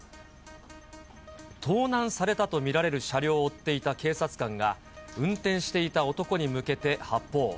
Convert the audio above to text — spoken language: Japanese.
盗難されたと見られる車両を追っていた警察官が、運転していた男に向けて発砲。